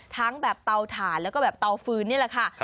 ทั้งแบบเตาถ่านแล้วก็แบบเตาฟืนนี่แหละค่ะ